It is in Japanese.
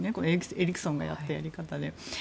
エリクソンがやったやり方で。